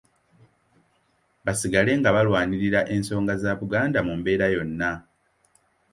Basigale nga balwanirira ensonga za Buganda mu mbeera yonna.